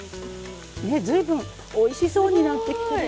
ね随分おいしそうになってきてるよね。